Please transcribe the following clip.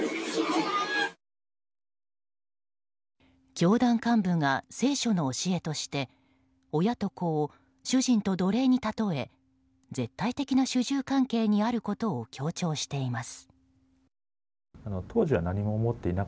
教団幹部が聖書の教えとして親と子を、主人と奴隷に例え絶対的な主従関係にあることを強調しています。